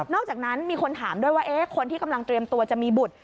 อกจากนั้นมีคนถามด้วยว่าคนที่กำลังเตรียมตัวจะมีบุตร